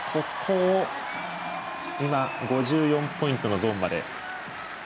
今、５４ポイントのゾーンまで。